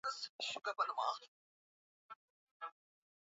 wanasema mtazamo wa rais huyo kwa jamii ya